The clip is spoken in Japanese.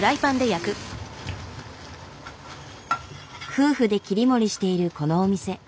夫婦で切り盛りしているこのお店。